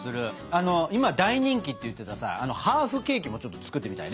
あの今大人気って言ってたさハーフケーキもちょっと作ってみたいね。